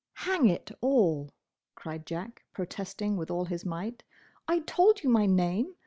"Hang it all!" cried Jack, protesting with all his might, "I told you my name!